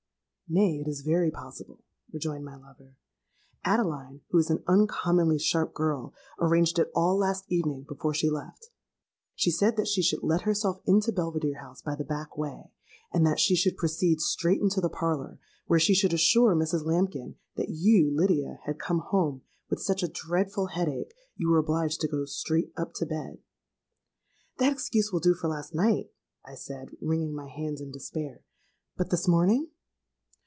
'—'Nay, it is very possible,' rejoined my lover: 'Adeline, who is an uncommonly sharp girl, arranged it all last evening before she left. She said that she should let herself into Belvidere House by the back way, and that she should proceed straight into the parlour, where she should assure Mrs. Lambkin that you, Lydia, had come home with such a dreadful headach, you were obliged to go straight up to bed.'—'That excuse will do for last night,' I said, wringing my hands in despair: 'but this morning?'